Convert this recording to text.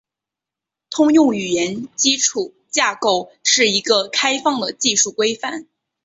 通用语言基础架构是一个开放的技术规范。